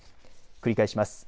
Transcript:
繰り返します。